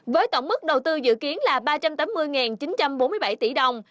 với tổng mức đầu tư dự kiến là ba trăm tám mươi chín trăm bốn mươi bảy tỷ đồng